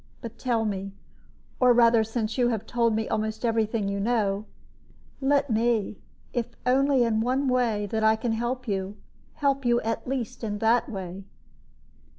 But tell me or rather, since you have told me almost every thing you know let me, if only in one way I can help you, help you at least in that way."